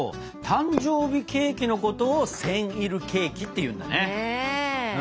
誕生日ケーキのことをセンイルケーキっていうんだね！